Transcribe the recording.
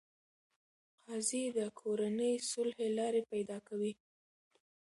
قاضي د کورني صلحې لارې پیدا کوي.